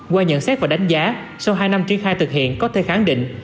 qua nhận xét và đánh giá sau hai năm triển khai thực hiện có thể khẳng định